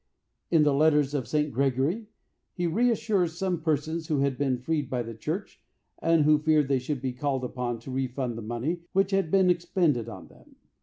In the letters of St. Gregory, he reässures some persons who had been freed by the church, and who feared that they should be called upon to refund the money which had been expended on them.